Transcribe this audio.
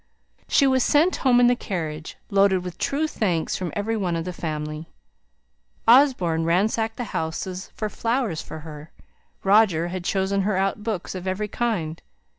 She was sent home in the carriage, loaded with true thanks from every one of the family. Osborne ransacked the greenhouses for flowers for her; Roger had chosen her out books of every kind.